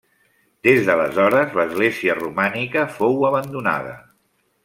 Des d'aleshores l'església romànica fou abandonada.